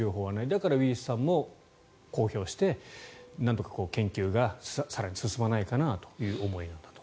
だからウィリスさんも公表してなんとか研究が更に進まないかなという思いと。